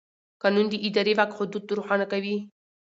قانون د اداري واک حدود روښانه کوي.